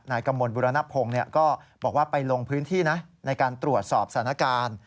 กมลบุรณพงศ์ก็บอกว่าไปลงพื้นที่นะในการตรวจสอบสถานการณ์